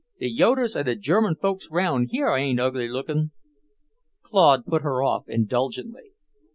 The Yoeders and the German folks round here ain't ugly lookin'." Claude put her off indulgently.